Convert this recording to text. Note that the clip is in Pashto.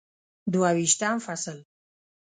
دوه ویشتم فصل